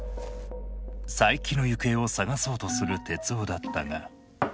佐伯の行方を捜そうとする徹生だったが。